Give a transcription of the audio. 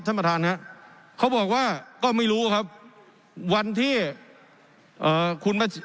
ท่านประธานฮะเขาบอกว่าก็ไม่รู้ครับวันที่เอ่อคุณมา